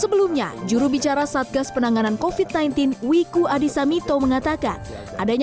sebelumnya jurubicara satgas penanganan covid sembilan belas wiku adhisa mito mengatakan